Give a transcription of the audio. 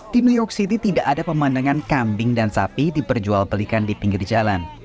di new york city tidak ada pemandangan kambing dan sapi diperjual belikan di pinggir jalan